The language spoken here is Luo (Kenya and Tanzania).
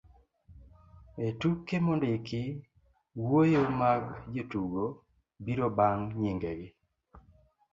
e tuke mondiki, wuoyo mag jotugo biro bang' nying'egi